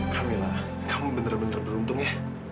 kamila kamu benar benar beruntung ya